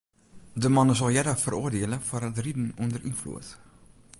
De man is al earder feroardiele foar it riden ûnder ynfloed.